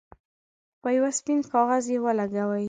په یو سپین کاغذ یې ولګوئ.